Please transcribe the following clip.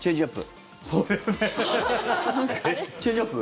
チェンジアップ。